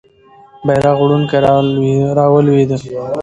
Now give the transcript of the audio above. بیرغ وړونکی رالوېده.